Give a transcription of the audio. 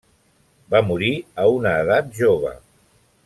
Va morir a una edat jove.